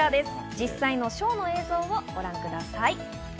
実際のショーの映像をご覧ください。